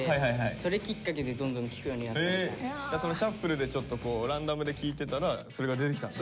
それで何か流れてきてシャッフルでちょっとランダムで聴いてたらそれが出てきたんだ？